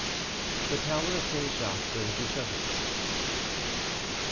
The Tower of St. Jacques de la Boucherie.